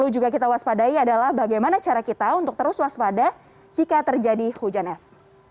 juga kita waspadai adalah bagaimana cara kita untuk terus waspada jika terjadi hujan es